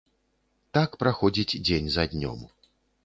Так праходзіць дзень за днём.